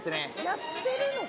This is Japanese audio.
やってるのか？